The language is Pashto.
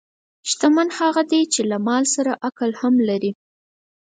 شتمن هغه دی چې له مال سره عقل هم لري.